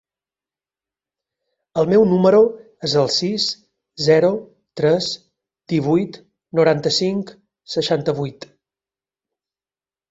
El meu número es el sis, zero, tres, divuit, noranta-cinc, seixanta-vuit.